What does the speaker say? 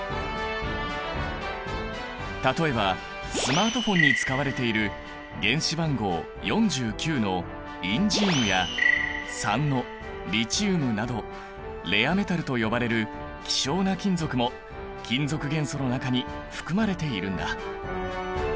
例えばスマートフォンに使われている原子番号４９のインジウムや３のリチウムなどレアメタルと呼ばれる希少な金属も金属元素の中に含まれているんだ。